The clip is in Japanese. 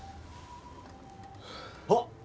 あっ！